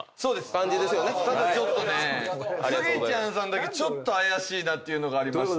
ただスギちゃんさんだけちょっと怪しいなっていうのがありまして。